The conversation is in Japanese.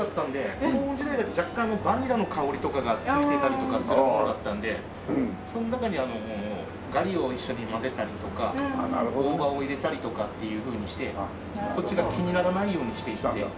コーン自体が若干バニラの香りとかがついていたりとかするものだったんでその中にガリを一緒に混ぜたりとか大葉を入れたりとかっていうふうにしてこっちが気にならないようにしていって。